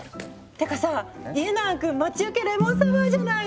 てかさ家長くん待ち受けレモンサワーじゃない！